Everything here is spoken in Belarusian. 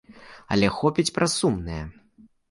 Але хопіць пра сумнае.